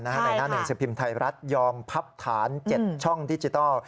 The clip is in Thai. ในหน้าหนึ่งสิบพิมพ์ไทยรัฐยอมพับฐาน๗ช่องดิจิทัล